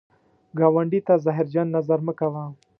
ګاونډي ته زهرجن نظر مه کوه